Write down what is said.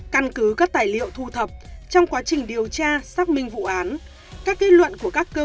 căn cứ các tài liệu thu thập trong quá trình điều tra xác minh vụ án các kết luận của các cơ